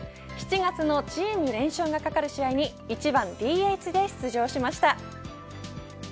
７月のチーム連勝が懸かる試合に１番ＤＨで出場しました。